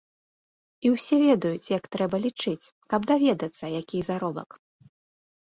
І ўсе ведаюць, як трэба лічыць, каб даведацца, які заробак.